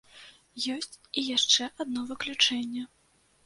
Ёсць і яшчэ адно выключэнне.